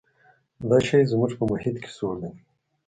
دا شی زموږ په محیط کې سوړ دی.